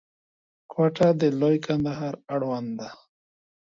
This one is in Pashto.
کوټه د لوی کندهار اړوند ده.